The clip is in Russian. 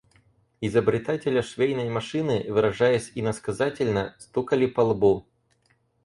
Изобретателя швейной машины, выражаясь иносказательно, стукали по лбу.